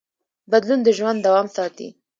بدلون د ژوند دوام ساتي.